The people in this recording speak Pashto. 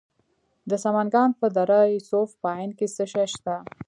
د سمنګان په دره صوف پاین کې څه شی شته؟